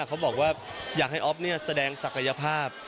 เขาบอกว่าอยากให้อ๊อฟแสดงศักยภาพ